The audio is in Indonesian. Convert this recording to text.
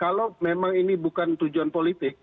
kalau memang ini bukan tujuan politik